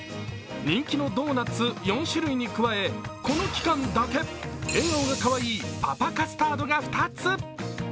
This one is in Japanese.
人気のドーナツ４種類に加え、この期間だけ笑顔がかわいいパパカスタードが２つ。